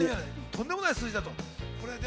とんでもない数字だと。